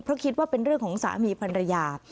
เพราะคิดว่าเป็นเรื่องของสามีภรรยา